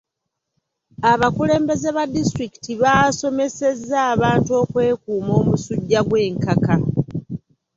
Abakulembeze ba disitulikiti baasomesezza abantu okwekuuma omusujja gw'enkaka.